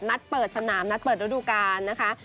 นัดเปิดสนามนัดเปิดฤดูกาลนะคะ